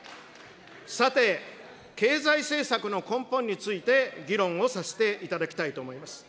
さて、経済政策の根本について、議論をさせていただきたいと思います。